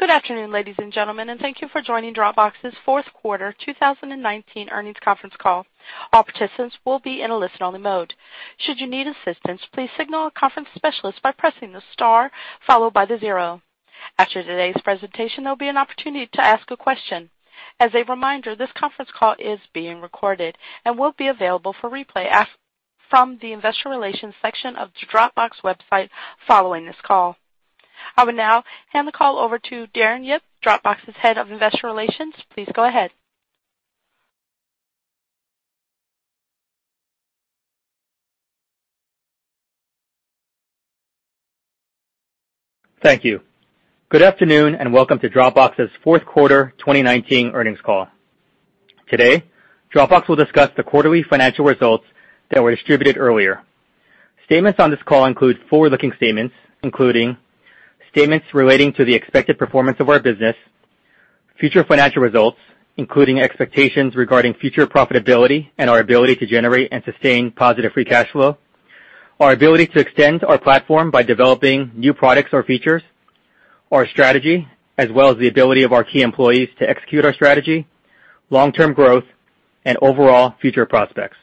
Good afternoon, ladies and gentlemen, and thank you for joining Dropbox's fourth quarter 2019 earnings conference call. All participants will be in a listen-only mode. Should you need assistance, please signal a conference specialist by pressing the star followed by the zero. After today's presentation, there'll be an opportunity to ask a question. As a reminder, this conference call is being recorded and will be available for replay from the investor relations section of the Dropbox website following this call. I will now hand the call over to Darren Yip, Dropbox's Head of Investor Relations. Please go ahead. Thank you. Good afternoon, and welcome to Dropbox's fourth quarter 2019 earnings call. Today, Dropbox will discuss the quarterly financial results that were distributed earlier. Statements on this call include forward-looking statements, including statements relating to the expected performance of our business, future financial results, including expectations regarding future profitability and our ability to generate and sustain positive free cash flow, our ability to extend our platform by developing new products or features, our strategy, as well as the ability of our key employees to execute our strategy, long-term growth, and overall future prospects.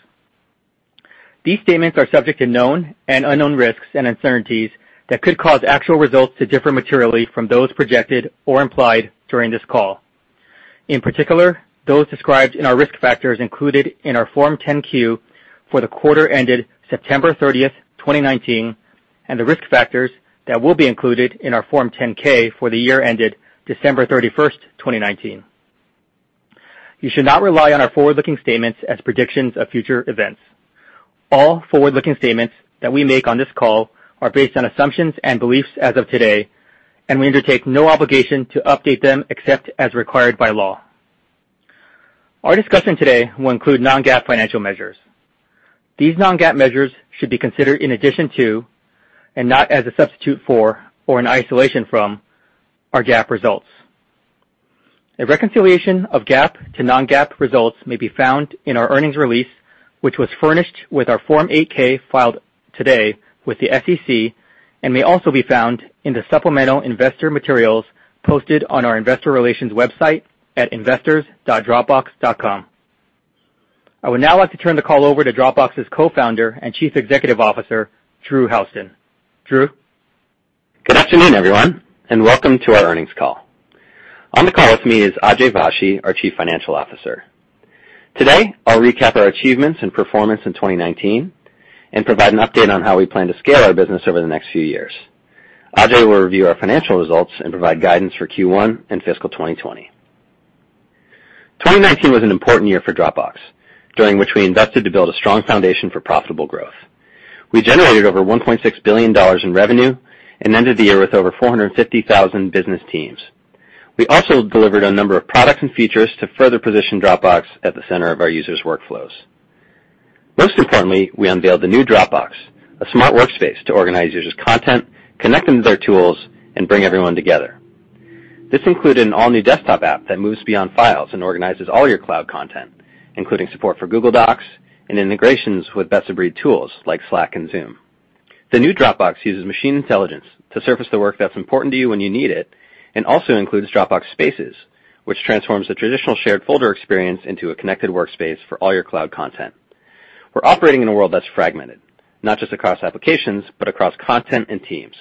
These statements are subject to known and unknown risks and uncertainties that could cause actual results to differ materially from those projected or implied during this call. In particular, those described in our risk factors included in our Form 10-Q for the quarter ended September 30th, 2019, and the risk factors that will be included in our Form 10-K for the year ended December 31st, 2019. You should not rely on our forward-looking statements as predictions of future events. All forward-looking statements that we make on this call are based on assumptions and beliefs as of today, and we undertake no obligation to update them except as required by law. Our discussion today will include non-GAAP financial measures. These non-GAAP measures should be considered in addition to, and not as a substitute for or in isolation from, our GAAP results. A reconciliation of GAAP to non-GAAP results may be found in our earnings release, which was furnished with our Form 8-K filed today with the SEC and may also be found in the supplemental investor materials posted on our investor relations website at investors.dropbox.com. I would now like to turn the call over to Dropbox's Co-Founder and Chief Executive Officer, Drew Houston. Drew? Good afternoon, everyone, and welcome to our earnings call. On the call with me is Ajay Vashee, our Chief Financial Officer. Today, I'll recap our achievements and performance in 2019 and provide an update on how we plan to scale our business over the next few years. Ajay will review our financial results and provide guidance for Q1 and fiscal 2020. 2019 was an important year for Dropbox, during which we invested to build a strong foundation for profitable growth. We generated over $1.6 billion in revenue and ended the year with over 450,000 business teams. We also delivered a number of products and features to further position Dropbox at the center of our users' workflows. Most importantly, we unveiled the new Dropbox, a smart workspace to organize users' content, connect them to their tools, and bring everyone together. This included an all-new desktop app that moves beyond files and organizes all your cloud content, including support for Google Docs and integrations with best-of-breed tools like Slack and Zoom. The new Dropbox uses machine intelligence to surface the work that's important to you when you need it and also includes Dropbox Spaces, which transforms the traditional shared folder experience into a connected workspace for all your cloud content. We're operating in a world that's fragmented, not just across applications, but across content and teams.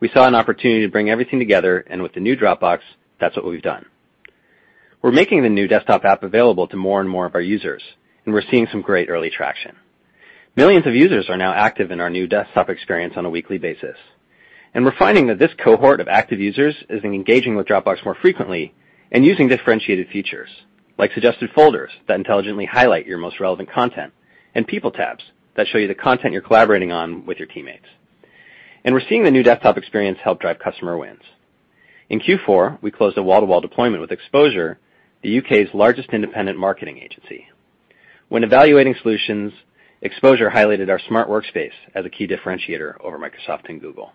We saw an opportunity to bring everything together, and with the new Dropbox, that's what we've done. We're making the new desktop app available to more and more of our users, and we're seeing some great early traction. Millions of users are now active in our new desktop experience on a weekly basis. We're finding that this cohort of active users has been engaging with Dropbox more frequently and using differentiated features, like suggested folders that intelligently highlight your most relevant content and people tabs that show you the content you're collaborating on with your teammates. We're seeing the new desktop experience help drive customer wins. In Q4, we closed a wall-to-wall deployment with Exposure, the U.K.'s largest independent marketing agency. When evaluating solutions, Exposure highlighted our smart workspace as a key differentiator over Microsoft and Google.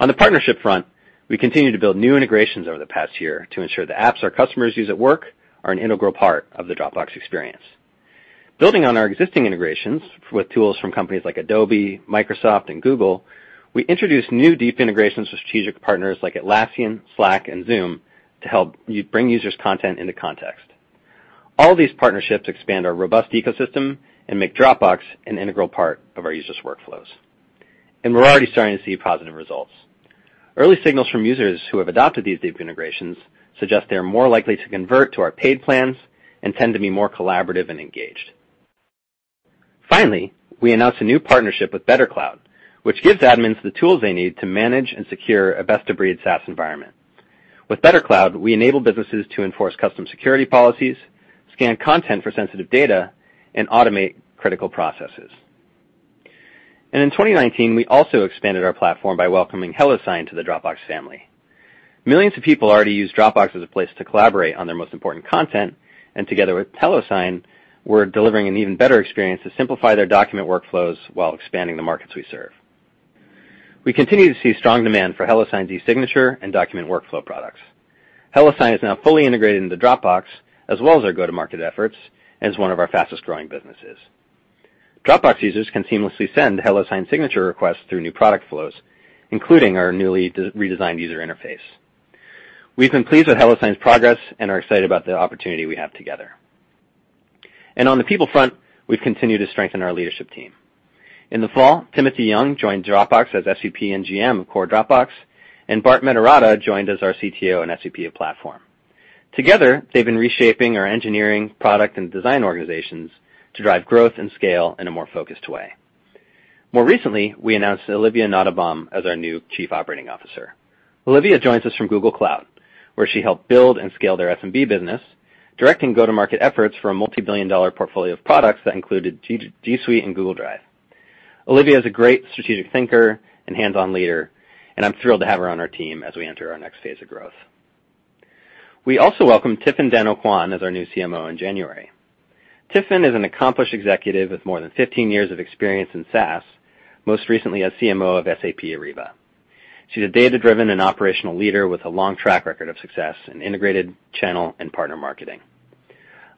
On the partnership front, we continued to build new integrations over the past year to ensure the apps our customers use at work are an integral part of the Dropbox experience. Building on our existing integrations with tools from companies like Adobe, Microsoft, and Google, we introduced new deep integrations with strategic partners like Atlassian, Slack, and Zoom to help bring users' content into context. All these partnerships expand our robust ecosystem and make Dropbox an integral part of our users' workflows. We're already starting to see positive results. Early signals from users who have adopted these deep integrations suggest they are more likely to convert to our paid plans and tend to be more collaborative and engaged. Finally, we announced a new partnership with BetterCloud, which gives admins the tools they need to manage and secure a best-of-breed SaaS environment. With BetterCloud, we enable businesses to enforce custom security policies, scan content for sensitive data, and automate critical processes. In 2019, we also expanded our platform by welcoming HelloSign to the Dropbox family. Millions of people already use Dropbox as a place to collaborate on their most important content, together with HelloSign, we're delivering an even better experience to simplify their document workflows while expanding the markets we serve. We continue to see strong demand for HelloSign e-signature and document workflow products. HelloSign is now fully integrated into Dropbox, as well as our go-to-market efforts, and is one of our fastest-growing businesses. Dropbox users can seamlessly send HelloSign signature requests through new product flows, including our newly redesigned user interface. We've been pleased with HelloSign's progress and are excited about the opportunity we have together. On the people front, we've continued to strengthen our leadership team. In the fall, Timothy Young joined Dropbox as SVP and GM of Core Dropbox, and Bharat Mediratta joined as our CTO and SVP of Platform. Together, they've been reshaping our engineering, product, and design organizations to drive growth and scale in a more focused way. More recently, we announced Olivia Nottebohm as our new Chief Operating Officer. Olivia joins us from Google Cloud, where she helped build and scale their SMB business, directing go-to-market efforts for a multi-billion-dollar portfolio of products that included G Suite and Google Drive. Olivia is a great strategic thinker and hands-on leader, and I'm thrilled to have her on our team as we enter our next phase of growth. We also welcomed Tifenn Dano Kwan as our new CMO in January. Tifenn is an accomplished executive with more than 15 years of experience in SaaS, most recently as CMO of SAP Ariba. She's a data-driven and operational leader with a long track record of success in integrated channel and partner marketing.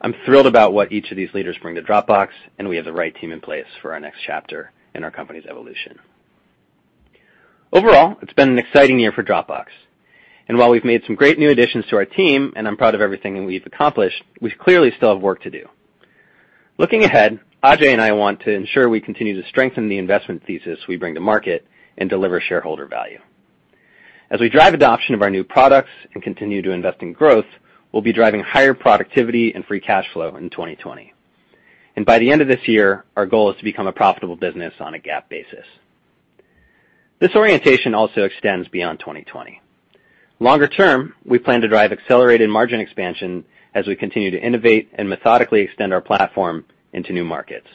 I'm thrilled about what each of these leaders bring to Dropbox, and we have the right team in place for our next chapter in our company's evolution. Overall, it's been an exciting year for Dropbox. While we've made some great new additions to our team, and I'm proud of everything that we've accomplished, we clearly still have work to do. Looking ahead, Ajay and I want to ensure we continue to strengthen the investment thesis we bring to market and deliver shareholder value. As we drive adoption of our new products and continue to invest in growth, we'll be driving higher productivity and free cash flow in 2020. By the end of this year, our goal is to become a profitable business on a GAAP basis. This orientation also extends beyond 2020. Longer term, we plan to drive accelerated margin expansion as we continue to innovate and methodically extend our platform into new markets.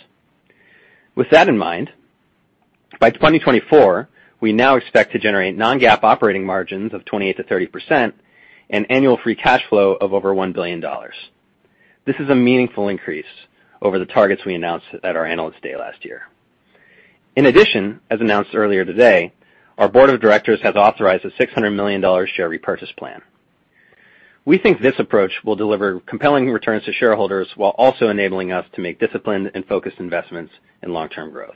With that in mind, by 2024, we now expect to generate non-GAAP operating margins of 28%-30% and annual free cash flow of over $1 billion. This is a meaningful increase over the targets we announced at our Analyst Day last year. In addition, as announced earlier today, our board of directors has authorized a $600 million share repurchase plan. We think this approach will deliver compelling returns to shareholders while also enabling us to make disciplined and focused investments in long-term growth.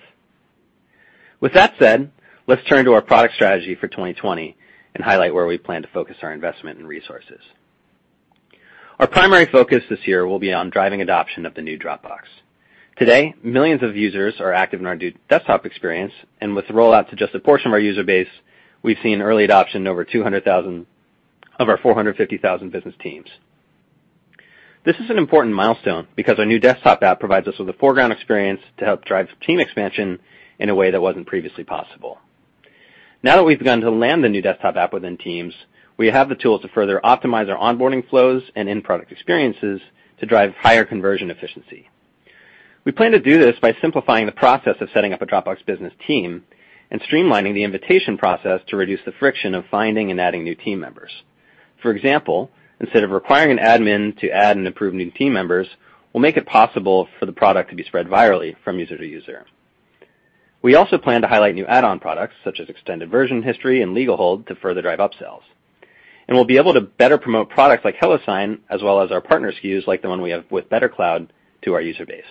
With that said, let's turn to our product strategy for 2020 and highlight where we plan to focus our investment and resources. Our primary focus this year will be on driving adoption of the new Dropbox. Today, millions of users are active in our new desktop experience, and with the rollout to just a portion of our user base, we've seen early adoption in over 200,000 of our 450,000 business teams. This is an important milestone because our new desktop app provides us with a foreground experience to help drive team expansion in a way that wasn't previously possible. Now that we've begun to land the new desktop app within teams, we have the tools to further optimize our onboarding flows and in-product experiences to drive higher conversion efficiency. We plan to do this by simplifying the process of setting up a Dropbox Business team and streamlining the invitation process to reduce the friction of finding and adding new team members. For example, instead of requiring an admin to add and approve new team members, we'll make it possible for the product to be spread virally from user to user. We also plan to highlight new add-on products, such as Extended Version History and Legal Holds, to further drive upsells. We'll be able to better promote products like Dropbox Sign, as well as our partner SKUs, like the one we have with BetterCloud, to our user base.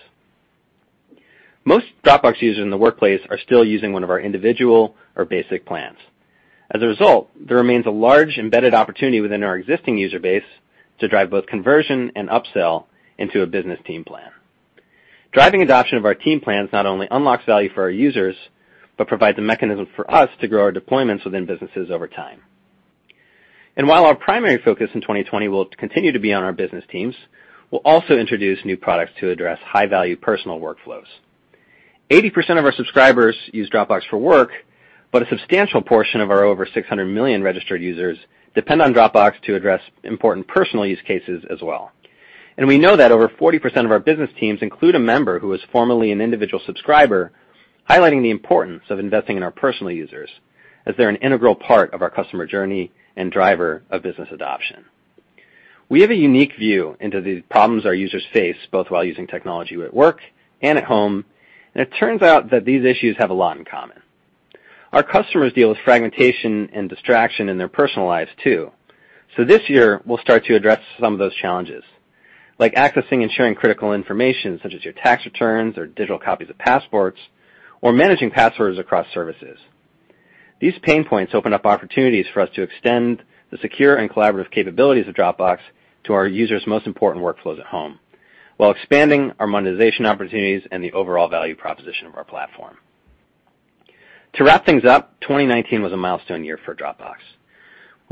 Most Dropbox users in the workplace are still using one of our individual or basic plans. As a result, there remains a large embedded opportunity within our existing user base to drive both conversion and upsell into a Dropbox Business plan. Driving adoption of our team plans not only unlocks value for our users, but provides a mechanism for us to grow our deployments within businesses over time. While our primary focus in 2020 will continue to be on our business teams, we'll also introduce new products to address high-value personal workflows. 80% of our subscribers use Dropbox for work, but a substantial portion of our over 600 million registered users depend on Dropbox to address important personal use cases as well. We know that over 40% of our business teams include a member who was formerly an individual subscriber, highlighting the importance of investing in our personal users, as they're an integral part of our customer journey and driver of business adoption. We have a unique view into the problems our users face, both while using technology at work and at home. It turns out that these issues have a lot in common. Our customers deal with fragmentation and distraction in their personal lives, too. This year, we'll start to address some of those challenges, like accessing and sharing critical information, such as your tax returns or digital copies of passports, or managing passwords across services. These pain points open up opportunities for us to extend the secure and collaborative capabilities of Dropbox to our users' most important workflows at home while expanding our monetization opportunities and the overall value proposition of our platform. To wrap things up, 2019 was a milestone year for Dropbox.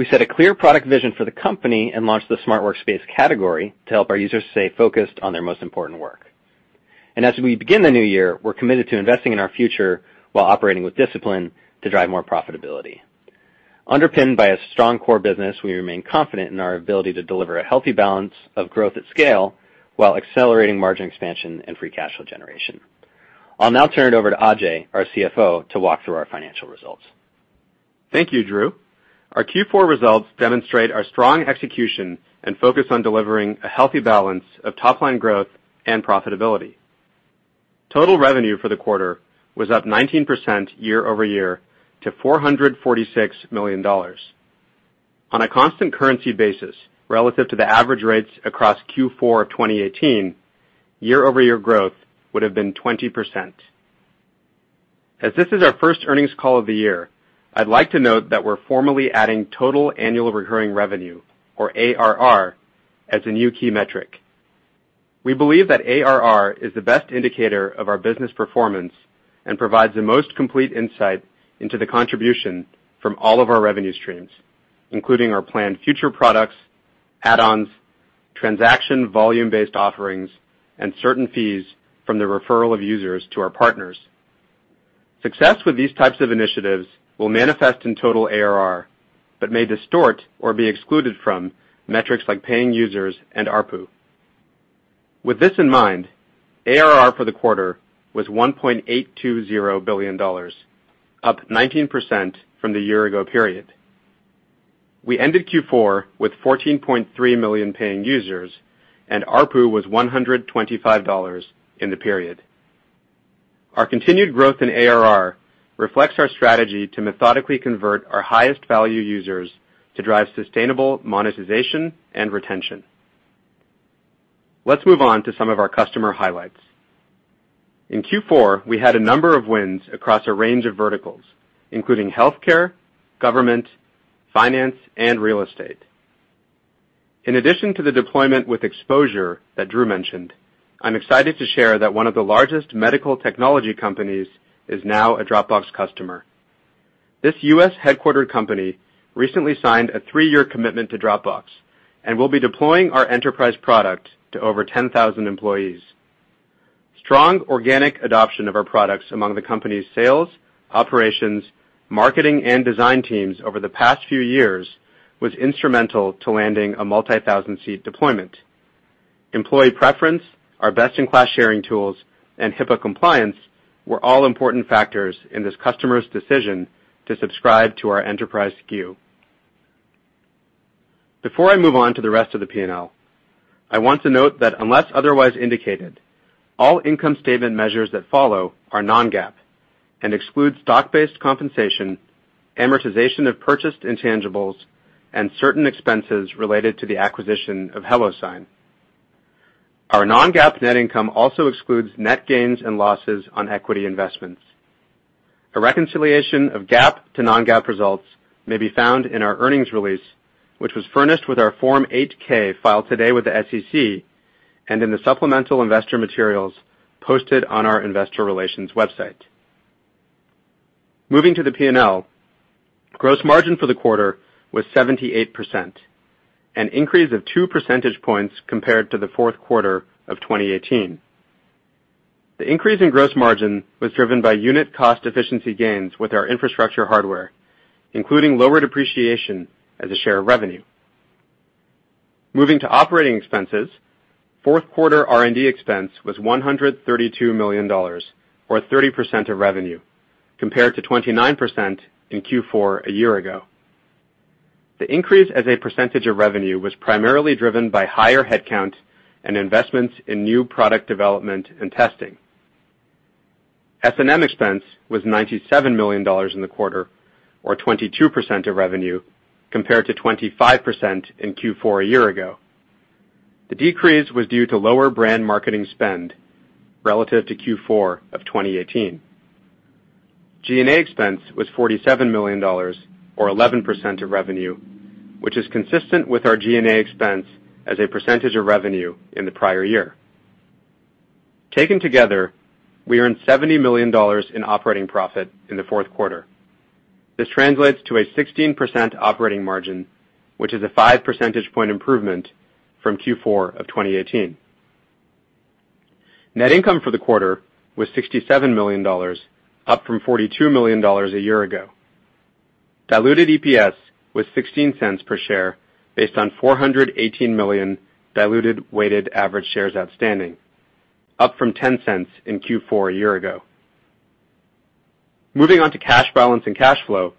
We set a clear product vision for the company and launched the smart workspace category to help our users stay focused on their most important work. As we begin the new year, we're committed to investing in our future while operating with discipline to drive more profitability. Underpinned by a strong core business, we remain confident in our ability to deliver a healthy balance of growth at scale while accelerating margin expansion and free cash flow generation. I'll now turn it over to Ajay, our CFO, to walk through our financial results. Thank you, Drew. Our Q4 results demonstrate our strong execution and focus on delivering a healthy balance of top-line growth and profitability. Total revenue for the quarter was up 19% year-over-year to $446 million. On a constant currency basis relative to the average rates across Q4 of 2018, year-over-year growth would have been 20%. As this is our first earnings call of the year, I'd like to note that we're formally adding total annual recurring revenue, or ARR, as a new key metric. We believe that ARR is the best indicator of our business performance and provides the most complete insight into the contribution from all of our revenue streams, including our planned future products, add-ons, transaction volume-based offerings, and certain fees from the referral of users to our partners. Success with these types of initiatives will manifest in total ARR, but may distort or be excluded from metrics like paying users and ARPU. With this in mind, ARR for the quarter was $1.820 billion, up 19% from the year ago period. We ended Q4 with 14.3 million paying users, and ARPU was $125 in the period. Our continued growth in ARR reflects our strategy to methodically convert our highest value users to drive sustainable monetization and retention. Let's move on to some of our customer highlights. In Q4, we had a number of wins across a range of verticals, including healthcare, government, finance, and real estate. In addition to the deployment with Exposure that Drew mentioned, I'm excited to share that one of the largest medical technology companies is now a Dropbox customer. This U.S.-headquartered company recently signed a three-year commitment to Dropbox and will be deploying our enterprise product to over 10,000 employees. Strong organic adoption of our products among the company's sales, operations, marketing, and design teams over the past few years was instrumental to landing a multi-thousand seat deployment. Employee preference, our best-in-class sharing tools, and HIPAA compliance were all important factors in this customer's decision to subscribe to our enterprise SKU. Before I move on to the rest of the P&L, I want to note that unless otherwise indicated, all income statement measures that follow are non-GAAP and exclude stock-based compensation, amortization of purchased intangibles, and certain expenses related to the acquisition of HelloSign. Our non-GAAP net income also excludes net gains and losses on equity investments. A reconciliation of GAAP to non-GAAP results may be found in our earnings release, which was furnished with our Form 8-K filed today with the SEC and in the supplemental investor materials posted on our investor relations website. Moving to the P&L, gross margin for the quarter was 78%, an increase of 2 percentage points compared to the fourth quarter of 2018. The increase in gross margin was driven by unit cost efficiency gains with our infrastructure hardware, including lower depreciation as a share of revenue. Moving to operating expenses, fourth quarter R&D expense was $132 million, or 30% of revenue, compared to 29% in Q4 a year ago. S&M expense was $97 million in the quarter, or 22% of revenue, compared to 25% in Q4 a year ago. The decrease was due to lower brand marketing spend relative to Q4 of 2018. G&A expense was $47 million, or 11% of revenue, which is consistent with our G&A expense as a percentage of revenue in the prior year. Taken together, we earned $70 million in operating profit in the fourth quarter. This translates to a 16% operating margin, which is a five percentage point improvement from Q4 of 2018. Net income for the quarter was $67 million, up from $42 million a year ago. Diluted EPS was $0.16 per share based on 418 million diluted weighted average shares outstanding, up from $0.10 in Q4 a year ago. Moving on to cash balance and cash flow,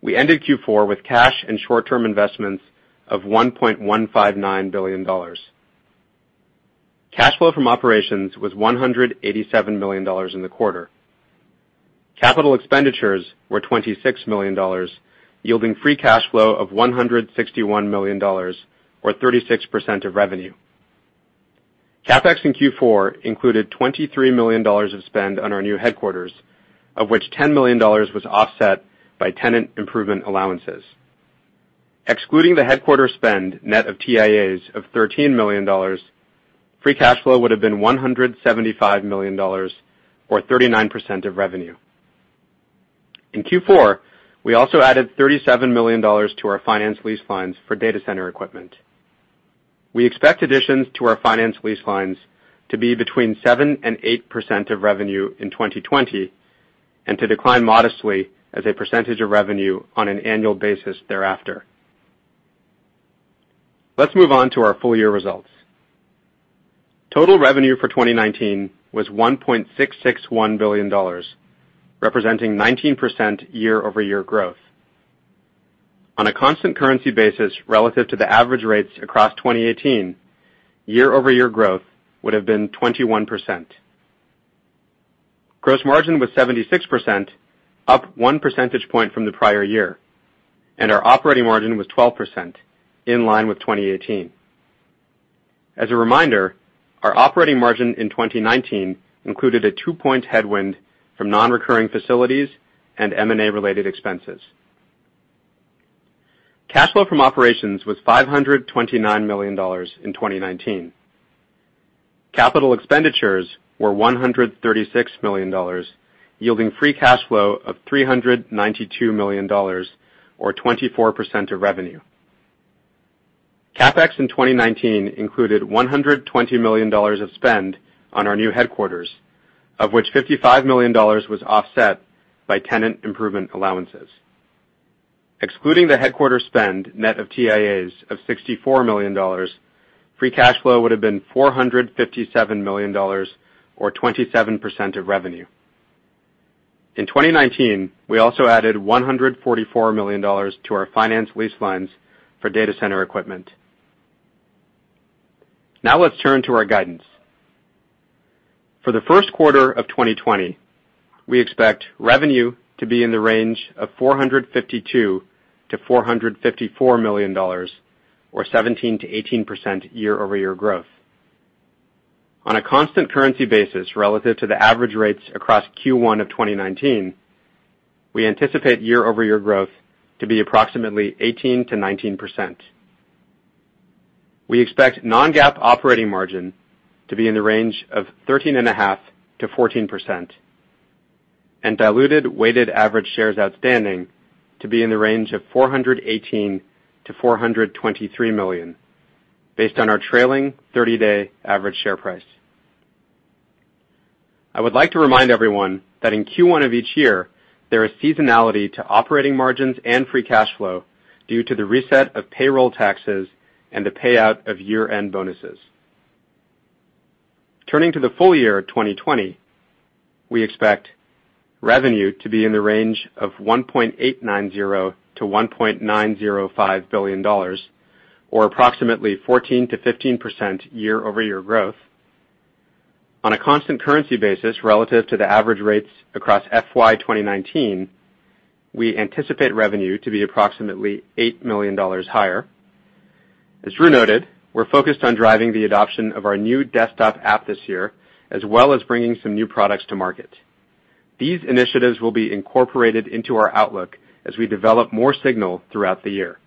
we ended Q4 with cash and short-term investments of $1.159 billion. Cash flow from operations was $187 million in the quarter. Capital expenditures were $26 million, yielding free cash flow of $161 million, or 36% of revenue. CapEx in Q4 included $23 million of spend on our new headquarters, of which $10 million was offset by tenant improvement allowances. Excluding the headquarter spend net of TIAs of $13 million, free cash flow would have been $175 million, or 39% of revenue. In Q4, we also added $37 million to our finance lease lines for data center equipment. We expect additions to our finance lease lines to be between 7% and 8% of revenue in 2020, and to decline modestly as a percentage of revenue on an annual basis thereafter. Let's move on to our full year results. Total revenue for 2019 was $1.661 billion, representing 19% year-over-year growth. On a constant currency basis relative to the average rates across 2018, year-over-year growth would have been 21%. Gross margin was 76%, up one percentage point from the prior year, and our operating margin was 12%, in line with 2018. As a reminder, our operating margin in 2019 included a two-point headwind from non-recurring facilities and M&A related expenses. Cash flow from operations was $529 million in 2019. Capital expenditures were $136 million, yielding free cash flow of $392 million, or 24% of revenue. CapEx in 2019 included $120 million of spend on our new headquarters, of which $55 million was offset by tenant improvement allowances. Excluding the headquarter spend net of TIAs of $64 million, free cash flow would've been $457 million, or 27% of revenue. In 2019, we also added $144 million to our finance lease lines for data center equipment. Now let's turn to our guidance. For the first quarter of 2020, we expect revenue to be in the range of $452 million-$454 million, or 17%-18% year-over-year growth. On a constant currency basis relative to the average rates across Q1 of 2019, we anticipate year-over-year growth to be approximately 18%-19%. We expect non-GAAP operating margin to be in the range of 13.5%-14%, and diluted weighted average shares outstanding to be in the range of 418 million-423 million, based on our trailing 30-day average share price. I would like to remind everyone that in Q1 of each year, there is seasonality to operating margins and free cash flow due to the reset of payroll taxes and the payout of year-end bonuses. Turning to the full year 2020, we expect revenue to be in the range of $1.890 billion-$1.905 billion, or approximately 14%-15% year-over-year growth. On a constant currency basis relative to the average rates across FY 2019, we anticipate revenue to be approximately $8 million higher. As Drew noted, we're focused on driving the adoption of our new Dropbox desktop app this year, as well as bringing some new products to market. These initiatives will be incorporated into our outlook as we develop more signal throughout the year.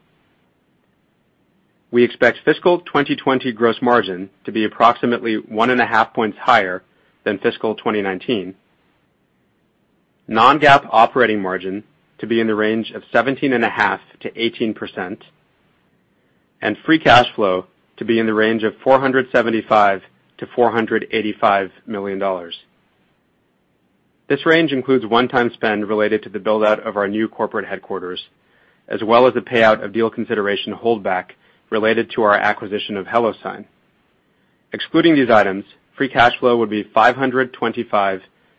We expect fiscal 2020 gross margin to be approximately 1.5 points higher than fiscal 2019, non-GAAP operating margin to be in the range of 17.5%-18%, and free cash flow to be in the range of $475 million-$485 million. This range includes one-time spend related to the build-out of our new corporate headquarters, as well as the payout of deal consideration holdback related to our acquisition of HelloSign. Excluding these items, free cash flow would be $525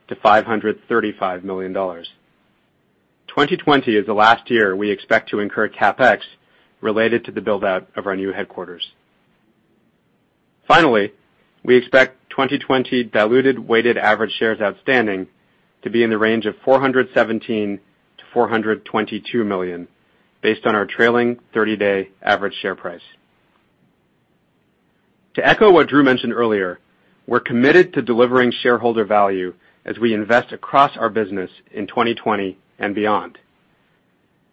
million-$535 million. 2020 is the last year we expect to incur CapEx related to the build-out of our new headquarters. Finally, we expect 2020 diluted weighted average shares outstanding to be in the range of 417 million-422 million based on our trailing 30-day average share price. To echo what Drew mentioned earlier, we're committed to delivering shareholder value as we invest across our business in 2020 and beyond.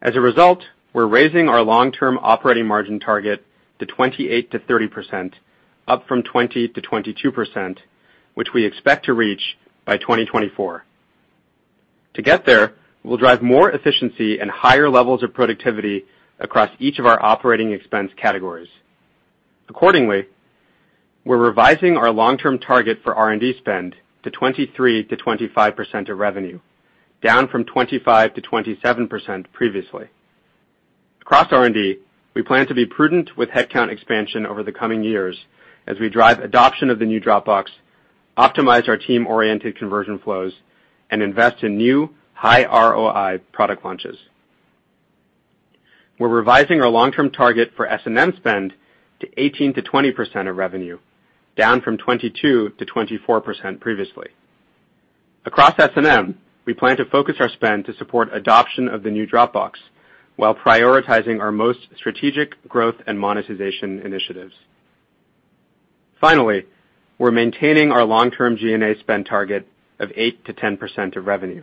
As a result, we're raising our long-term operating margin target to 28%-30%, up from 20%-22%, which we expect to reach by 2024. To get there, we'll drive more efficiency and higher levels of productivity across each of our operating expense categories. Accordingly, we're revising our long-term target for R&D spend to 23%-25% of revenue, down from 25%-27% previously. Across R&D, we plan to be prudent with headcount expansion over the coming years as we drive adoption of the new Dropbox, optimize our team-oriented conversion flows, and invest in new high ROI product launches. We're revising our long-term target for S&M spend to 18%-20% of revenue, down from 22%-24% previously. Across S&M, we plan to focus our spend to support adoption of the new Dropbox while prioritizing our most strategic growth and monetization initiatives. Finally, we're maintaining our long-term G&A spend target of 8%-10% of revenue.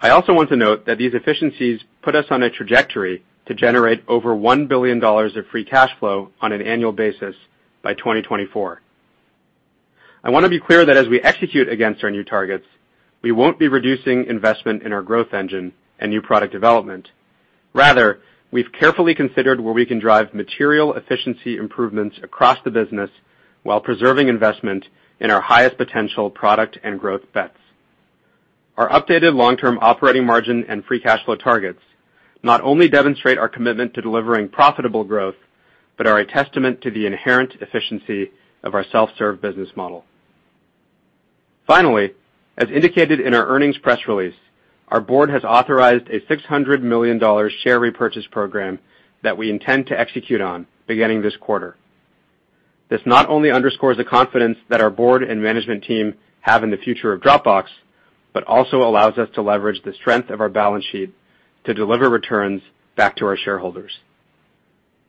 I also want to note that these efficiencies put us on a trajectory to generate over $1 billion of free cash flow on an annual basis by 2024. I want to be clear that as we execute against our new targets, we won't be reducing investment in our growth engine and new product development. Rather, we've carefully considered where we can drive material efficiency improvements across the business while preserving investment in our highest potential product and growth bets. Our updated long-term operating margin and free cash flow targets not only demonstrate our commitment to delivering profitable growth, but are a testament to the inherent efficiency of our self-serve business model. Finally, as indicated in our earnings press release, our board has authorized a $600 million share repurchase program that we intend to execute on beginning this quarter. This not only underscores the confidence that our board and management team have in the future of Dropbox, but also allows us to leverage the strength of our balance sheet to deliver returns back to our shareholders.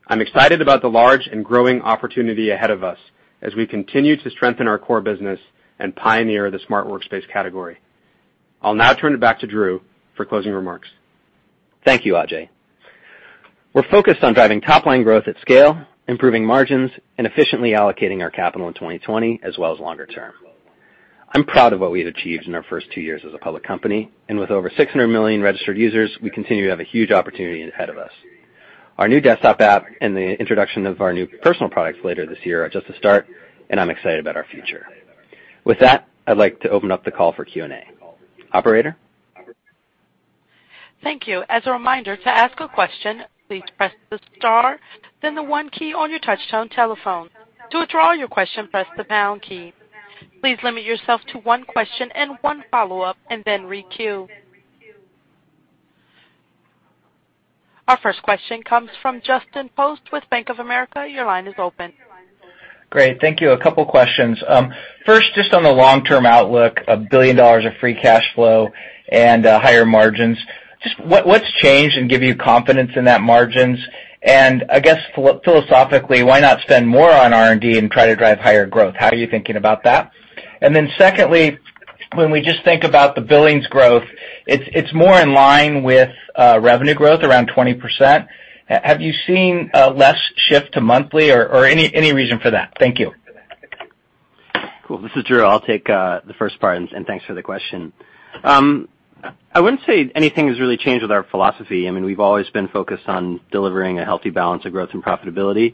I'm excited about the large and growing opportunity ahead of us as we continue to strengthen our core business and pioneer the smart workspace category. I'll now turn it back to Drew for closing remarks. Thank you, Ajay. We're focused on driving top-line growth at scale, improving margins, and efficiently allocating our capital in 2020 as well as longer term. I'm proud of what we have achieved in our first two years as a public company, and with over 600 million registered users, we continue to have a huge opportunity ahead of us. Our new Desktop App and the introduction of our new personal products later this year are just a start, and I'm excited about our future. With that, I'd like to open up the call for Q&A. Operator? Thank you. As a reminder, to ask a question, please press the star, then the one key on your touchtone telephone. To withdraw your question, press the pound key. Please limit yourself to one question and one follow-up, and then re-queue. Our first question comes from Justin Post with Bank of America. Your line is open. Great. Thank you. A couple questions. First, on the long-term outlook, $1 billion of free cash flow and higher margins. What's changed and give you confidence in that margins? I guess philosophically, why not spend more on R&D and try to drive higher growth? How are you thinking about that? Secondly, when we just think about the billings growth, it's more in line with revenue growth around 20%. Have you seen less shift to monthly or any reason for that? Thank you. Cool. This is Drew. I'll take the first part. Thanks for the question. I wouldn't say anything has really changed with our philosophy. We've always been focused on delivering a healthy balance of growth and profitability.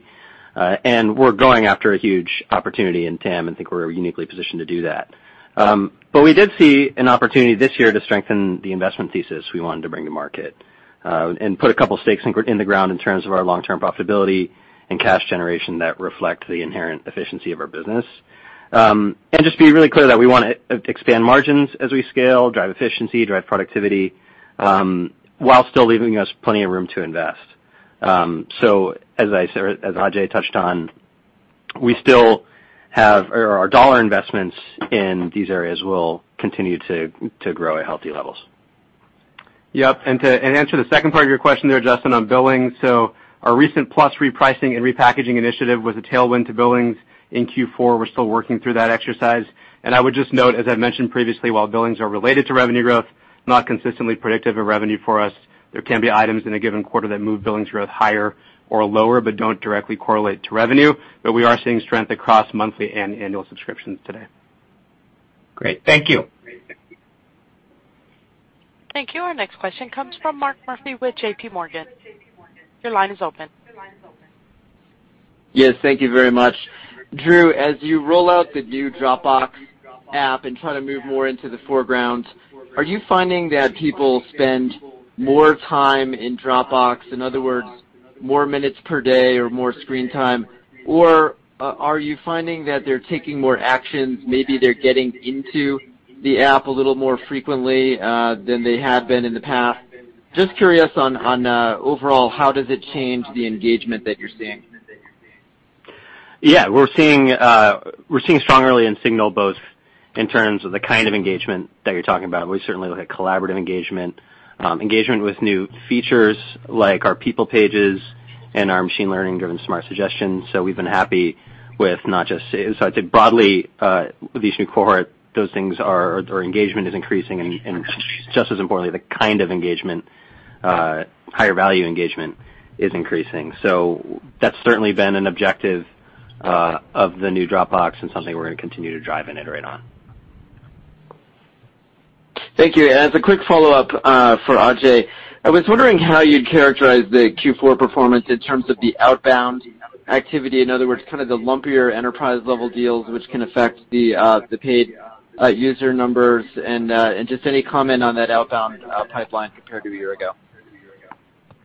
We're going after a huge opportunity in TAM and think we're uniquely positioned to do that. We did see an opportunity this year to strengthen the investment thesis we wanted to bring to market, and put a couple stakes in the ground in terms of our long-term profitability and cash generation that reflect the inherent efficiency of our business. Just be really clear that we want to expand margins as we scale, drive efficiency, drive productivity, while still leaving us plenty of room to invest. As Ajay touched on, our dollar investments in these areas will continue to grow at healthy levels. Yep. To answer the second part of your question there, Justin, on billing, our recent Plus repricing and repackaging initiative was a tailwind to billings in Q4. We're still working through that exercise. I would just note, as I mentioned previously, while billings are related to revenue growth, not consistently predictive of revenue for us, there can be items in a given quarter that move billings growth higher or lower, but don't directly correlate to revenue. We are seeing strength across monthly and annual subscriptions today. Great. Thank you. Thank you. Our next question comes from Mark Murphy with JPMorgan. Your line is open. Yes, thank you very much. Drew, as you roll out the new Dropbox app and try to move more into the foreground, are you finding that people spend more time in Dropbox, in other words, more minutes per day or more screen time, or are you finding that they're taking more actions, maybe they're getting into the app a little more frequently than they have been in the past? Just curious on overall, how does it change the engagement that you're seeing? Yeah, we're seeing strong early signal both in terms of the kind of engagement that you're talking about. We certainly look at collaborative engagement with new features like our People pages and our machine learning-driven smart suggestions. I'd say broadly with each new cohort, those things, our engagement is increasing and just as importantly, the kind of engagement, higher value engagement is increasing. That's certainly been an objective of the new Dropbox and something we're going to continue to drive and iterate on. Thank you. As a quick follow-up for Ajay, I was wondering how you'd characterize the Q4 performance in terms of the outbound activity. In other words, kind of the lumpier enterprise-level deals, which can affect the paid user numbers and just any comment on that outbound pipeline compared to a year ago.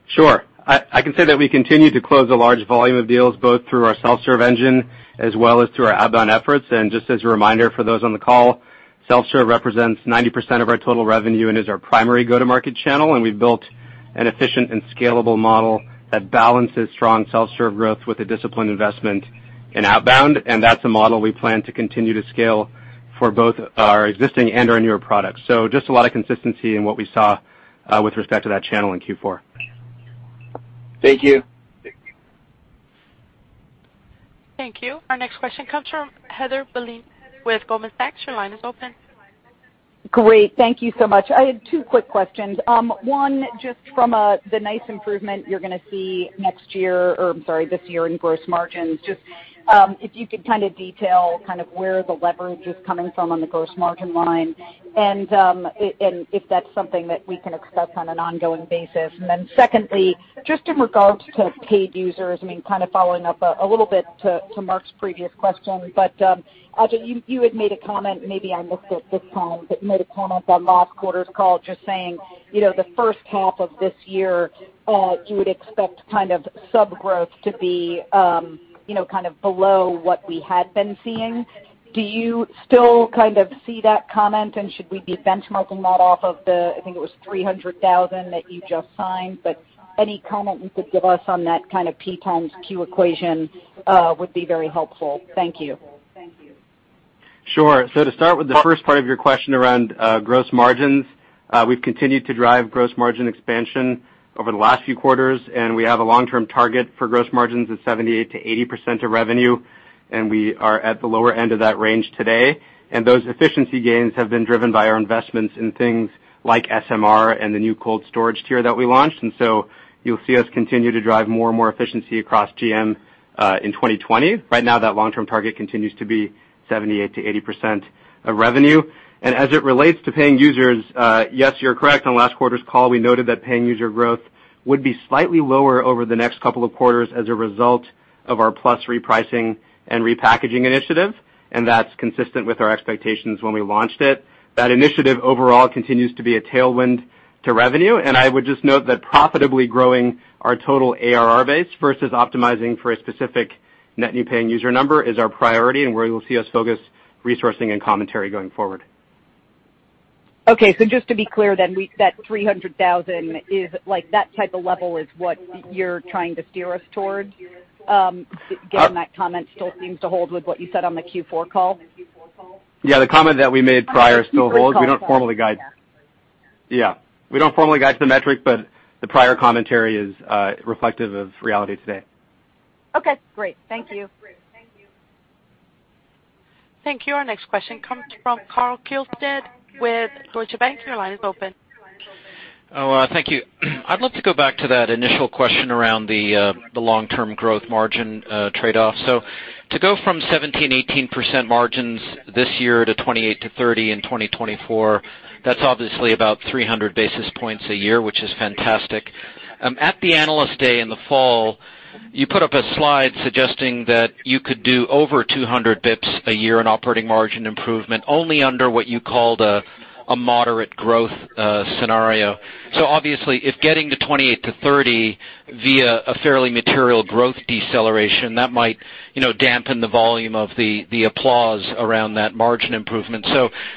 Sure. I can say that we continue to close a large volume of deals, both through our self-serve engine as well as through our outbound efforts. Just as a reminder for those on the call, self-serve represents 90% of our total revenue and is our primary go-to-market channel. We've built an efficient and scalable model that balances strong self-serve growth with a disciplined investment in outbound, and that's a model we plan to continue to scale for both our existing and our newer products. Just a lot of consistency in what we saw with respect to that channel in Q4. Thank you. Thank you. Our next question comes from Heather Bellini with Goldman Sachs. Your line is open. Great. Thank you so much. I had two quick questions. One, just from the nice improvement you're going to see this year in gross margins, just if you could kind of detail where the leverage is coming from on the gross margin line and if that's something that we can expect on an ongoing basis. Secondly, just in regards to paid users, I mean, kind of following up a little to Mark's previous question. Ajay, you had made a comment, maybe I missed it this time, but you made a comment on last quarter's call just saying, the first half of this year, you would expect kind of sub-growth to be kind of below what we had been seeing. Do you still kind of see that comment? Should we be benchmarking that off of the, I think it was 300,000 that you just signed, but any comment you could give us on that kind of PxQ equation would be very helpful. Thank you. Sure. To start with the first part of your question around gross margins, we've continued to drive gross margin expansion over the last few quarters. We have a long-term target for gross margins of 78%-80% of revenue, and we are at the lower end of that range today. Those efficiency gains have been driven by our investments in things like SMR and the new cold storage tier that we launched. You'll see us continue to drive more and more efficiency across gross margins in 2020. Right now, that long-term target continues to be 78%-80% of revenue. As it relates to paying users, yes, you're correct. On last quarter's call, we noted that paying user growth would be slightly lower over the next couple of quarters as a result of our Plus repricing and repackaging initiative, that's consistent with our expectations when we launched it. That initiative overall continues to be a tailwind to revenue. I would just note that profitably growing our total ARR base versus optimizing for a specific net new paying user number is our priority and where you'll see us focus resourcing and commentary going forward. Okay. Just to be clear then, that 300,000, that type of level is what you're trying to steer us towards? Uh- Again, that comment still seems to hold with what you said on the Q4 call. Yeah, the comment that we made prior still holds. We don't formally guide the metric, but the prior commentary is reflective of reality today. Okay, great. Thank you. Thank you. Our next question comes from Karl Keirstead with Deutsche Bank. Your line is open. Oh, thank you. I'd love to go back to that initial question around the long-term growth margin trade-off. To go from 17%-18% margins this year to 28%-30% in 2024, that's obviously about 300 basis points a year, which is fantastic. At the Analyst Day in the fall, you put up a slide suggesting that you could do over 200 basis points a year in operating margin improvement only under what you called a moderate growth scenario. Obviously, if getting to 28%-30% via a fairly material growth deceleration, that might dampen the volume of the applause around that margin improvement.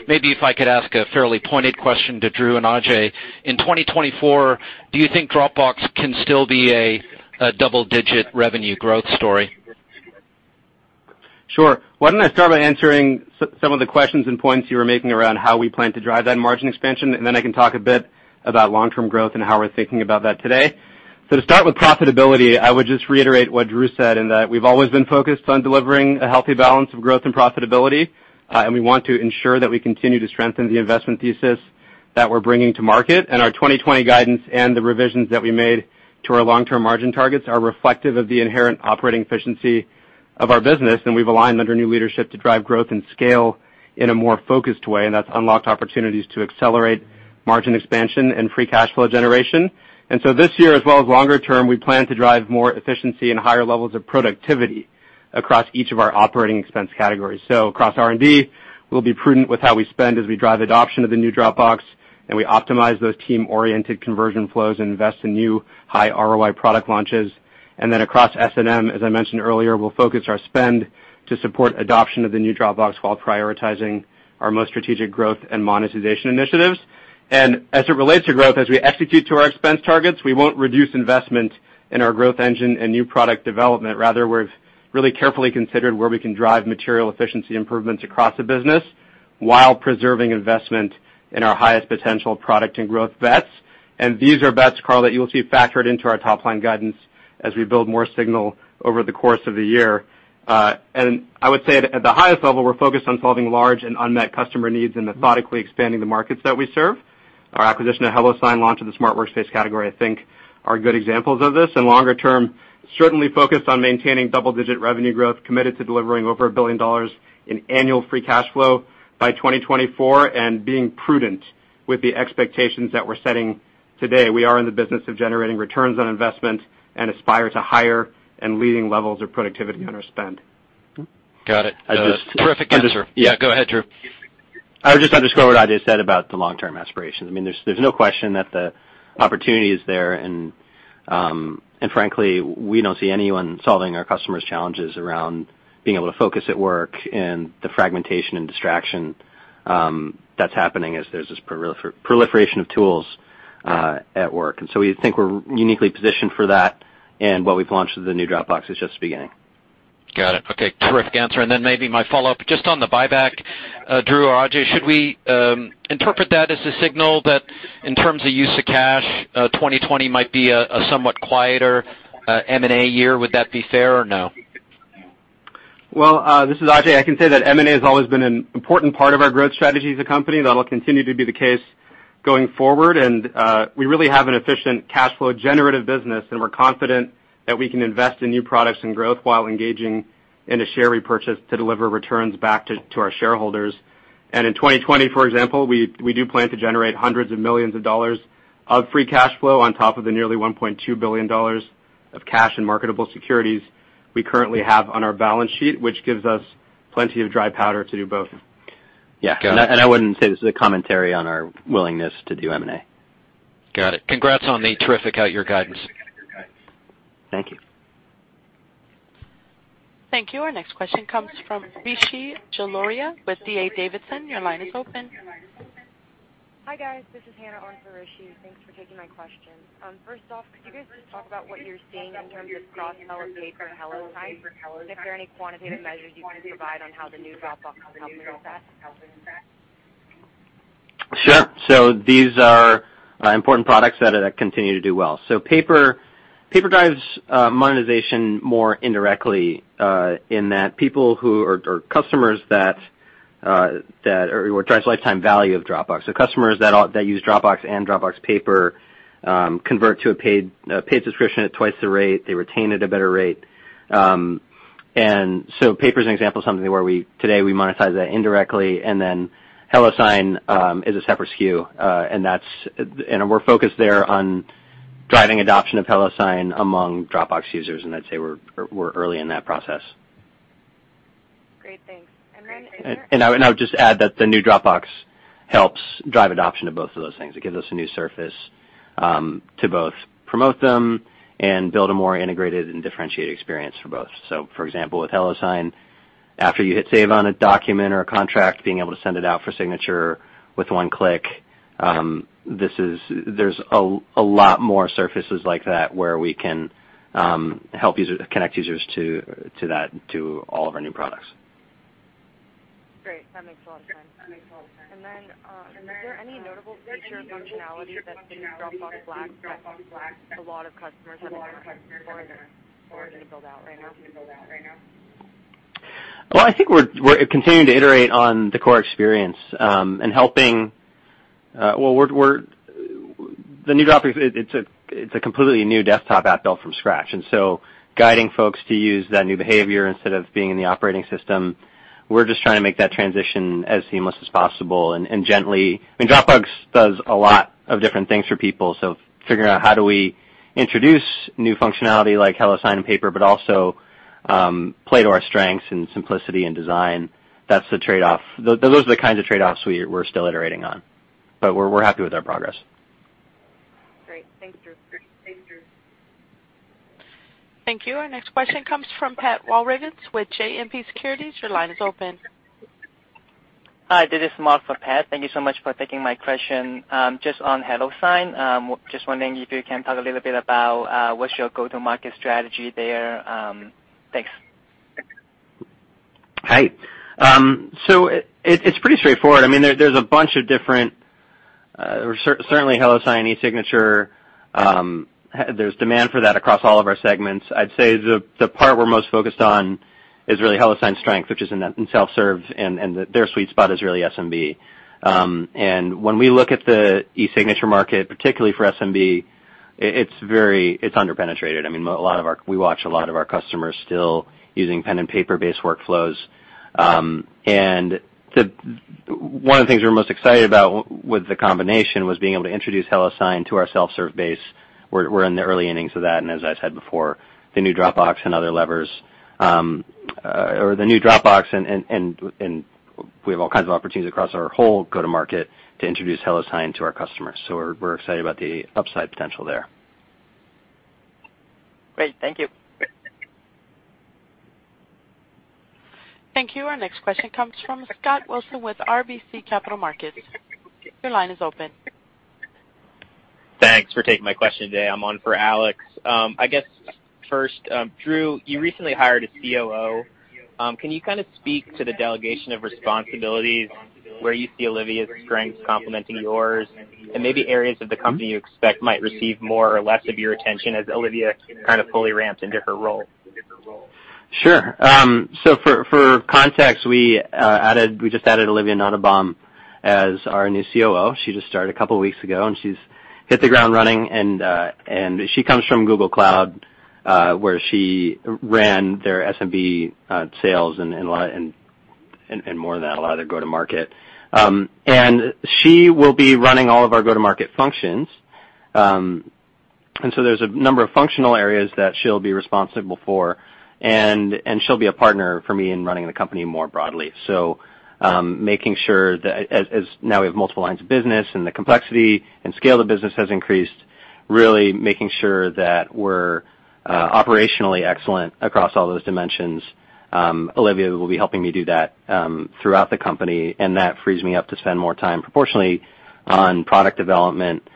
Maybe if I could ask a fairly pointed question to Drew and Ajay. In 2024, do you think Dropbox can still be a double-digit revenue growth story? Sure. Why don't I start by answering some of the questions and points you were making around how we plan to drive that margin expansion, and then I can talk a bit about long-term growth and how we're thinking about that today. To start with profitability, I would just reiterate what Drew said in that we've always been focused on delivering a healthy balance of growth and profitability. We want to ensure that we continue to strengthen the investment thesis that we're bringing to market. Our 2020 guidance and the revisions that we made to our long-term margin targets are reflective of the inherent operating efficiency of our business, and we've aligned under new leadership to drive growth and scale in a more focused way, and that's unlocked opportunities to accelerate margin expansion and free cash flow generation. This year, as well as longer term, we plan to drive more efficiency and higher levels of productivity across each of our operating expense categories. Across R&D, we'll be prudent with how we spend as we drive adoption of the new Dropbox, and we optimize those team-oriented conversion flows and invest in new high ROI product launches. Across S&M, as I mentioned earlier, we'll focus our spend to support adoption of the new Dropbox while prioritizing our most strategic growth and monetization initiatives. As it relates to growth, as we execute to our expense targets, we won't reduce investment in our growth engine and new product development. Rather, we've really carefully considered where we can drive material efficiency improvements across the business while preserving investment in our highest potential product and growth bets. These are bets, Karl, that you will see factored into our top-line guidance as we build more signal over the course of the year. I would say at the highest level, we're focused on solving large and unmet customer needs and methodically expanding the markets that we serve. Our acquisition of HelloSign launch and the smart workspace category, I think, are good examples of this. Longer term, certainly focused on maintaining double-digit revenue growth, committed to delivering over $1 billion in annual free cash flow by 2024, and being prudent with the expectations that we're setting today. We are in the business of generating returns on investment and aspire to higher and leading levels of productivity on our spend. Got it. Terrific answer. Yeah, go ahead, Drew. I would just underscore what Ajay said about the long-term aspirations. There's no question that the opportunity is there. Frankly, we don't see anyone solving our customers' challenges around being able to focus at work and the fragmentation and distraction that's happening as there's this proliferation of tools at work. We think we're uniquely positioned for that, and what we've launched with the new Dropbox is just the beginning. Got it. Okay, terrific answer. Maybe my follow-up, just on the buyback, Drew or Ajay, should we interpret that as a signal that in terms of use of cash, 2020 might be a somewhat quieter M&A year? Would that be fair or no? Well, this is Ajay. I can say that M&A has always been an important part of our growth strategy as a company. That'll continue to be the case going forward. We really have an efficient cash flow generative business, and we're confident that we can invest in new products and growth while engaging in a share repurchase to deliver returns back to our shareholders. In 2020, for example, we do plan to generate hundreds of millions of dollars of free cash flow on top of the nearly $1.2 billion of cash and marketable securities we currently have on our balance sheet, which gives us plenty of dry powder to do both. Yeah. I wouldn't say this is a commentary on our willingness to do M&A. Got it. Congrats on the terrific out-year guidance. Thank you. Thank you. Our next question comes from Rishi Jaluria with DA Davidson. Your line is open. Hi guys, this is Hannah on for Rishi. Thanks for taking my question. First off, could you guys just talk about what you're seeing in terms of cross-sell of Paper and HelloSign? If there are any quantitative measures you can provide on how the new Dropbox is helping with that? Sure. These are important products that continue to do well. Paper drives monetization more indirectly. Drives lifetime value of Dropbox. Customers that use Dropbox and Dropbox Paper convert to a paid subscription at twice the rate. They retain at a better rate. Paper is an example of something where today we monetize that indirectly, and then HelloSign is a separate SKU. We're focused there on driving adoption of HelloSign among Dropbox users, and I'd say we're early in that process. Great. Thanks. I would just add that the new Dropbox helps drive adoption of both of those things. It gives us a new surface to both promote them and build a more integrated and differentiated experience for both. For example, with HelloSign, after you hit save on a document or a contract, being able to send it out for signature with one click, there's a lot more surfaces like that where we can help connect users to that, to all of our new products. Great. That makes a lot of sense. Is there any notable feature functionality that the new Dropbox Business has a lot of customers have been asking for to build out right now? Well, I think we're continuing to iterate on the core experience. Well, the new Dropbox, it's a completely new desktop app built from scratch. Guiding folks to use that new behavior instead of being in the operating system, we're just trying to make that transition as seamless as possible, and gently I mean, Dropbox does a lot of different things for people, so figuring out how do we introduce new functionality like HelloSign and Paper, but also play to our strengths in simplicity and design. That's the trade-off. Those are the kinds of trade-offs we're still iterating on. We're happy with our progress. Great. Thanks, Drew. Thank you. Our next question comes from Pat Walravens with JMP Securities. Your line is open. Hi, this is Mark for Pat. Thank you so much for taking my question. Just on HelloSign, just wondering if you can talk a little bit about what's your go-to-market strategy there. Thanks. Hi. It's pretty straightforward. I mean, there's a bunch of different, or certainly HelloSign eSignature, there's demand for that across all of our segments. I'd say the part we're most focused on is really HelloSign's strength, which is in self-serve, and their sweet spot is really SMB. When we look at the eSignature market, particularly for SMB, it's under-penetrated. I mean, we watch a lot of our customers still using pen and paper-based workflows. One of the things we're most excited about with the combination was being able to introduce HelloSign to our self-serve base. We're in the early innings of that, and as I said before, the new Dropbox and other levers, or the new Dropbox, and we have all kinds of opportunities across our whole go-to-market to introduce HelloSign to our customers. We're excited about the upside potential there. Great. Thank you. Thank you. Our next question comes from Scott Wilson with RBC Capital Markets. Your line is open. Thanks for taking my question today. I'm on for Alex. I guess, first, Drew, you recently hired a COO. Can you speak to the delegation of responsibilities, where you see Olivia's strengths complementing yours, and maybe areas of the company you expect might receive more or less of your attention as Olivia fully ramps into her role? Sure. For context, we just added Olivia Nottebohm as our new COO. She just started a couple of weeks ago, and she's hit the ground running, and she comes from Google Cloud, where she ran their SMB sales and more than that, a lot of go to market. She will be running all of our go-to-market functions. There's a number of functional areas that she'll be responsible for, and she'll be a partner for me in running the company more broadly. Making sure that as now we have multiple lines of business and the complexity and scale of the business has increased, really making sure that we're operationally excellent across all those dimensions. Olivia will be helping me do that throughout the company, and that frees me up to spend more time proportionately on product development,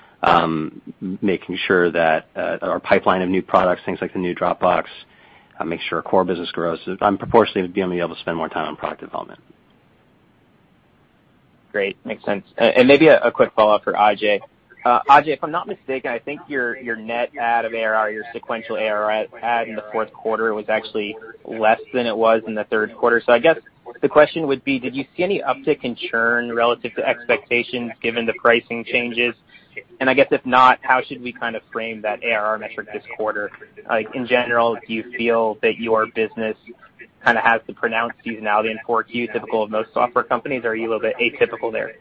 making sure that our pipeline of new products, things like the New Dropbox, make sure our core business grows. I'm proportionately going to be able to spend more time on product development. Great. Makes sense. Maybe a quick follow-up for Ajay. Ajay, if I'm not mistaken, I think your net add of ARR, your sequential ARR add in the fourth quarter was actually less than it was in the third quarter. I guess the question would be, did you see any uptick in churn relative to expectations given the pricing changes? I guess if not, how should we frame that ARR metric this quarter? In general, do you feel that your business has the pronounced seasonality in Q4 typical of most software companies, or are you a little bit atypical there?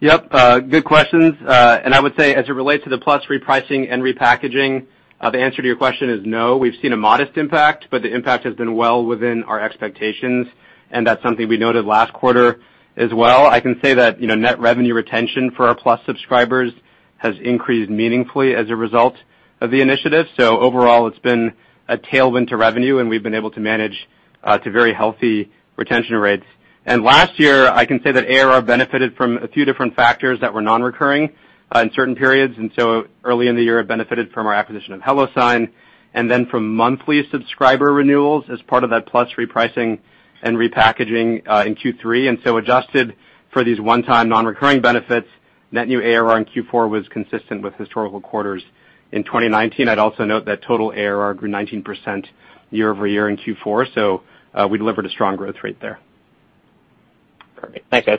Yep. Good questions. I would say as it relates to the Plus repricing and repackaging, the answer to your question is no. We've seen a modest impact, the impact has been well within our expectations, and that's something we noted last quarter as well. I can say that net revenue retention for our Plus subscribers has increased meaningfully as a result of the initiative. Overall, it's been a tailwind to revenue, and we've been able to manage to very healthy retention rates. Last year, I can say that ARR benefited from a few different factors that were non-recurring in certain periods. Early in the year, it benefited from our acquisition of HelloSign, and then from monthly subscriber renewals as part of that Plus repricing and repackaging, in Q3. Adjusted for these one-time non-recurring benefits, net new ARR in Q4 was consistent with historical quarters in 2019. I'd also note that total ARR grew 19% year-over-year in Q4. We delivered a strong growth rate there. Perfect. Thanks, guys.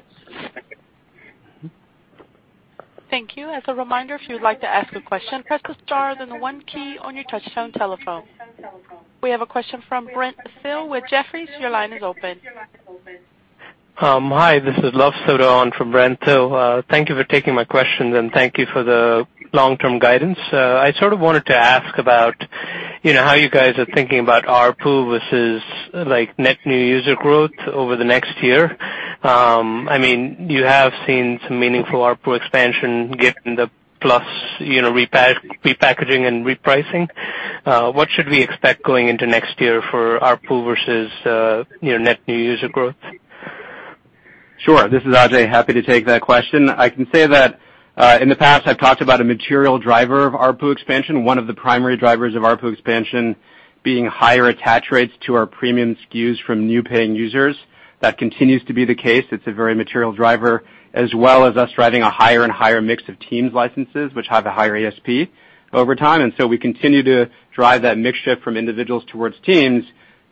Thank you. As a reminder, if you'd like to ask a question, press the star, then the one key on your touch-tone telephone. We have a question from Brent Thill with Jefferies. Your line is open. Hi, this is Luv Sodha for Brent Thill. Thank you for taking my questions. Thank you for the long-term guidance. I sort of wanted to ask about how you guys are thinking about ARPU versus net new user growth over the next year. You have seen some meaningful ARPU expansion given the Plus repackaging and repricing. What should we expect going into next year for ARPU versus net new user growth? Sure. This is Ajay. Happy to take that question. I can say that in the past I've talked about a material driver of ARPU expansion, one of the primary drivers of ARPU expansion being higher attach rates to our premium SKUs from new paying users. That continues to be the case. It's a very material driver, as well as us driving a higher and higher mix of teams licenses, which have a higher ASP over time. We continue to drive that mix shift from individuals towards teams,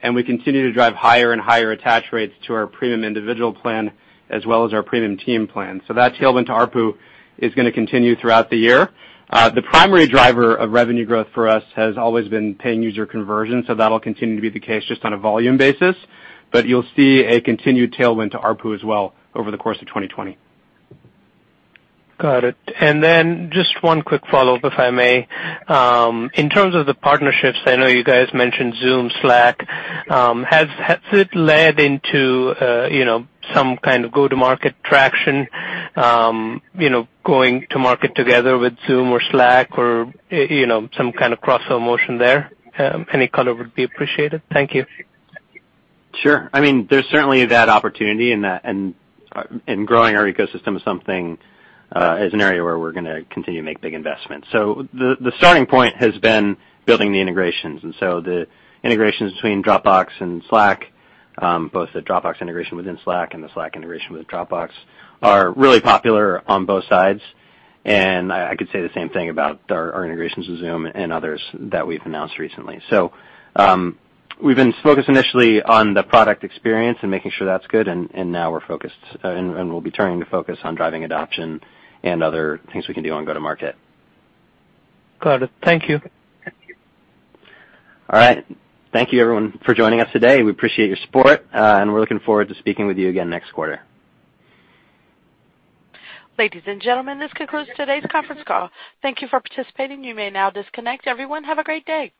and we continue to drive higher and higher attach rates to our premium individual plan, as well as our premium team plan. That tailwind to ARPU is going to continue throughout the year. The primary driver of revenue growth for us has always been paying user conversion. That'll continue to be the case just on a volume basis, but you'll see a continued tailwind to ARPU as well over the course of 2020. Got it. Then just one quick follow-up, if I may. In terms of the partnerships, I know you guys mentioned Zoom, Slack. Has it led into some kind of go-to-market traction, going to market together with Zoom or Slack or some kind of crossover motion there? Any color would be appreciated. Thank you. Sure. There's certainly that opportunity, growing our ecosystem is an area where we're going to continue to make big investments. The starting point has been building the integrations. The integrations between Dropbox and Slack, both the Dropbox integration within Slack and the Slack integration with Dropbox, are really popular on both sides. I could say the same thing about our integrations with Zoom and others that we've announced recently. We've been focused initially on the product experience and making sure that's good, and we'll be turning the focus on driving adoption and other things we can do on go-to-market. Got it. Thank you. All right. Thank you everyone for joining us today. We appreciate your support, and we're looking forward to speaking with you again next quarter. Ladies and gentlemen, this concludes today's conference call. Thank you for participating. You may now disconnect. Everyone, have a great day.